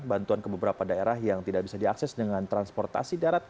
bantuan ke beberapa daerah yang tidak bisa diakses dengan transportasi darat